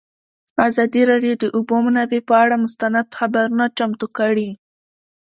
ازادي راډیو د د اوبو منابع پر اړه مستند خپرونه چمتو کړې.